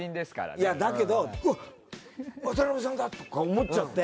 いやだけどうわっ渡辺さんだとか思っちゃって。